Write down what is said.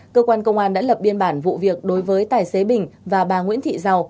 cơ quan công an đã lập biên bản vụ việc đối với tài xế bình và bà nguyễn thị giàu